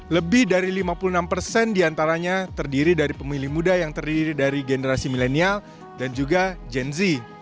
lebih dari lima puluh enam persen diantaranya terdiri dari pemilih muda yang terdiri dari generasi milenial dan juga gen z